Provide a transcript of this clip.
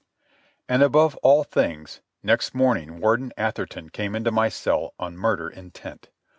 And above all things, next morning Warden Atherton came into my cell on murder intent.